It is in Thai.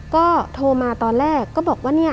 ก็โทรมาตอนแรกก็บอกว่าเนี่ย